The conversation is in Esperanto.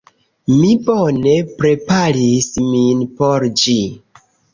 Mi bone preparis min por ĝi.